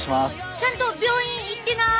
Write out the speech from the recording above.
ちゃんと病院行ってな！